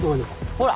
ほら。